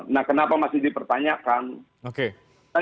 nah kenapa masih dipertanyakan